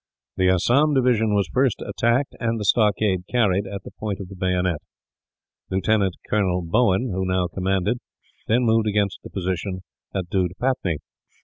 The Assam division was first attacked, and the stockade carried at the point of the bayonet. Lieutenant Colonel Bowen, who now commanded, then moved against the position at Doodpatnee.